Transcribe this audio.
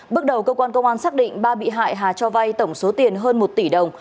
bước đầu cơ quan công an xác định ba bị hại hà cho vay tổng số tiền hơn một tỷ đồng